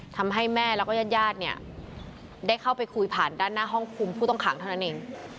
ทำให้แม่แล้วก็ญาติญาติเนี่ยได้เข้าไปคุยผ่านด้านหน้าห้องคุมผู้ต้องขังเท่านั้นเอง